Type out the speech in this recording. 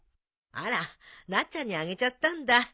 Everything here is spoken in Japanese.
あらなっちゃんにあげちゃったんだ。